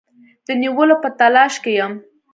د نیولو په تلاښ کې یم.